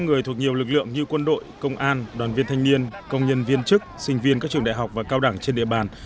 một năm trăm linh người thuộc nhiều lực lượng như quân đội công an đoàn viên thanh niên công nhân viên chức sinh viên các trường đại học và cao đẳng trên địa bàn